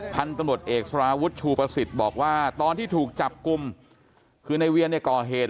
พันธุ์ตำรวจเอกสารวุฒิชูประสิทธิ์บอกว่าตอนที่ถูกจับกลุ่มคือในเวียนเนี่ยก่อเหตุ